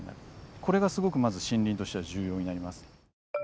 これがすごくまず森林としては重要になります。